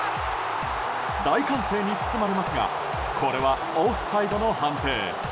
大歓声に包まれますがこれはオフサイドの判定。